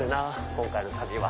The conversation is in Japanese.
今回の旅は。